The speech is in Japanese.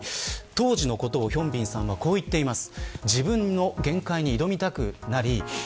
当時のことをヒョンビンさんはこう言っています。